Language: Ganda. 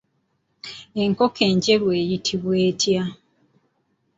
Enkoko enjeru eyitibwa etya?